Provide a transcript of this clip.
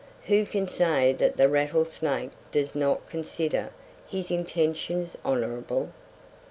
Who can say that the rattlesnake does not consider his intentions honourable?